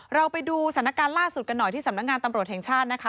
เราไปดูสถานการณ์ล่าสุดกันหน่อยที่สำนักงานตำรวจแห่งชาตินะคะ